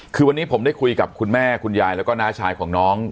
คือวันนี้ผมได้คุยกับคุณแม่คุณยายแล้วก็น้าชายของน้อง